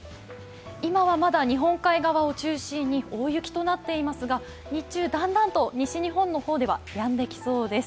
今はまだ日本海側を中心に大雪となっていますが日中、だんだんと西日本の方ではやんできそうです。